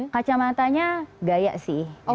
kacamatanya gaya sih